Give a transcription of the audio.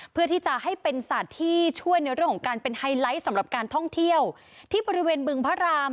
เพื่อที่จะให้เป็นสัตว์ที่ช่วยในเรื่องของการเป็นไฮไลท์สำหรับการท่องเที่ยวที่บริเวณบึงพระราม